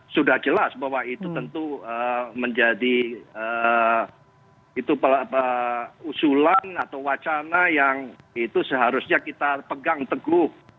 sudah jelas bahwa itu tentu menjadi usulan atau wacana yang itu seharusnya kita pegang teguh